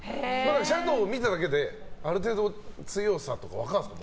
シャドーを見ただけである程度、強さとか分かるんですか？